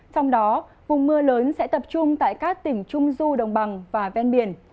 trong đó vùng mưa lớn sẽ tập trung tại các tỉnh trung du đồng bằng và ven biển